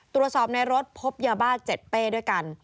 ตรวจสอบในรถพบยาบ้า๗เป้ด้วยกัน